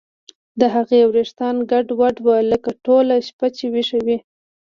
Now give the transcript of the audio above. د هغې ویښتان ګډوډ وو لکه ټوله شپه چې ویښه وي